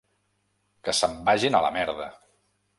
Que se'n vagin a la merda!